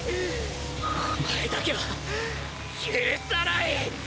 おまえだけは許さない。